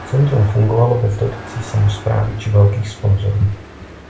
Centrum fungovalo bez dotací samosprávy či velkých sponzorů.